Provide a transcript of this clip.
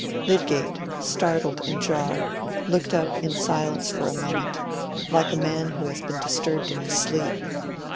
Lydgate, startled and jarred, looked up in silence for a moment, like a man who has been disturbed in his sleep.